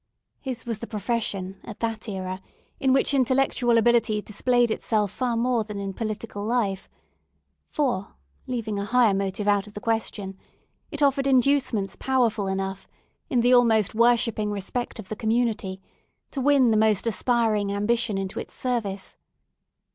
His was the profession at that era in which intellectual ability displayed itself far more than in political life; for—leaving a higher motive out of the question—it offered inducements powerful enough in the almost worshipping respect of the community, to win the most aspiring ambition into its service.